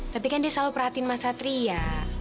tapi kan dia selalu perhatiin mas satria